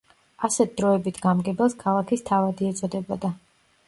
ასეთ დროებით გამგებელს „ქალაქის თავადი“ ეწოდებოდა.